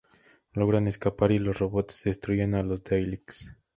Logran escapar y los robots destruyen a los Daleks.